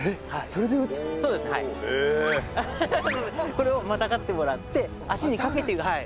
これをまたがってもらって足にかけてはい。